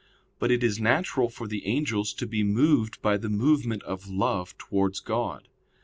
But it is natural for the angels to be moved by the movement of love towards God.